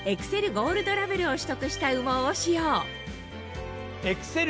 ゴールドラベルを取得した羽毛を使用エクセル